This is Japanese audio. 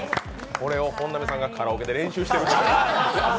これを本並さんがカラオケで練習していると。